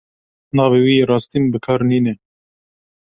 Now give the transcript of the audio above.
Navê wî yê rastîn bi kar nîne.